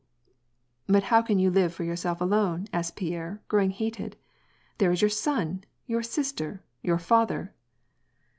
" But how can you live for yourself alone ?" asked Pierre, growing heated, " there is your son, your sister, your father